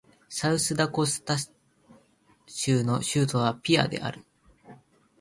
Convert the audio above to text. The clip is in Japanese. サウスダコタ州の州都はピアである